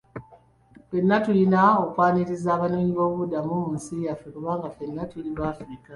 Ffenna tuyina okwaniriza abanoonyiboobubudamu mu nsi yaffe kubanga ffenna tuli bafirika.